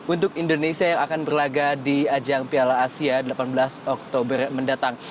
untuk indonesia yang akan berlaga di ajang piala asia delapan belas oktober mendatang